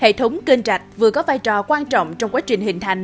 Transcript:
với hai km hệ thống kênh trạch vừa có vai trò quan trọng trong quá trình hình thành